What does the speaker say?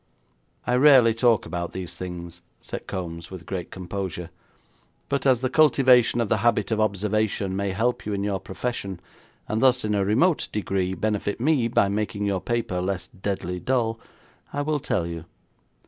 'I rarely talk about these things,' said Kombs with great composure. 'But as the cultivation of the habit of observation may help you in your profession, and thus in a remote degree benefit me by making your paper less deadly dull, I will tell you.